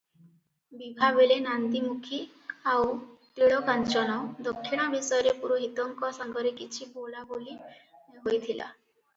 ବିଭାବେଳେ ନାନ୍ଦୀମୁଖୀ ଆଉ ତିଳକାଞ୍ଚନ ଦକ୍ଷିଣା ବିଷୟରେ ପୁରୋହିତଙ୍କ ସାଙ୍ଗରେ କିଛି ବୋଲାବୋଲି ହୋଇଥିଲା ।